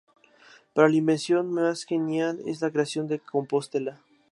Pero la invención más genial es la creación de Compostela.